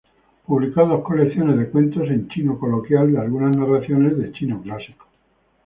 Publicó dos colecciones de cuentos en chino coloquial de algunas narraciones de chino clásico.